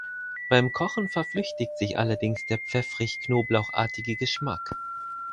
Beim Kochen verflüchtigt sich allerdings der pfeffrig-knoblauchartige Geschmack.